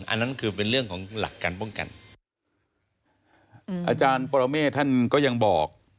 อันนั้นคือเป็นเรื่องของหลักการป้องกันอาจารย์ปรเมฆท่านก็ยังบอก